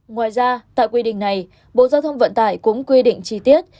ngoài ra tại quy định này bộ giao thông vận tải cũng quy định chi tiết